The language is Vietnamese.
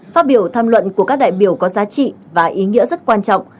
phát biểu tham luận của các đại biểu có giá trị và ý nghĩa rất quan trọng